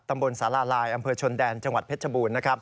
ตำบลสาลาลายอำเภอชนแดนจังหวัดเพชรบูรณ์นะครับ